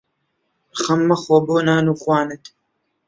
خەم مەخۆ بۆ نان و خوانت